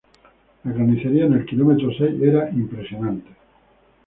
La carnicería en el kilómetro seis era impresionante.